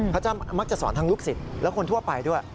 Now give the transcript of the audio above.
มักจะมักจะสอนทั้งลูกศิษย์และคนทั่วไปด้วย